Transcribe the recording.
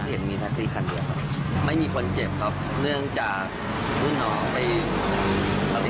พฤษฎีการเหมือนมันเมา